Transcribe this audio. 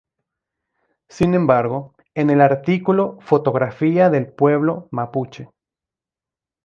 Sin embargo, en el artículo “Fotografía del pueblo mapuche.